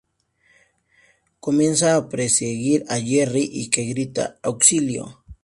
Comienza a perseguir a Jerry, que grita "¡Auxilio!